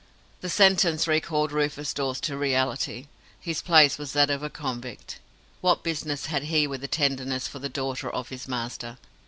The sentence recalled Rufus Dawes to reality. His place was that of a convict. What business had he with tenderness for the daughter of his master?